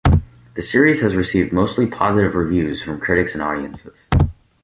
The series has received mostly positive reviews from critics and audiences.